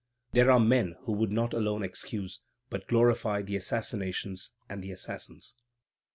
There are men who would not alone excuse, but glorify the assassinations and the assassins!